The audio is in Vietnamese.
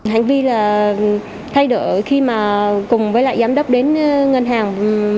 hành vi là thay đổi khi mà cùng với lại giám đốc đến ngân hàng